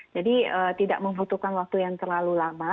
jadi tidak membutuhkan waktu yang terlalu lama